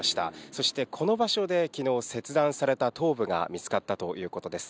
そして、この場所で、きのう、切断された頭部が見つかったということです。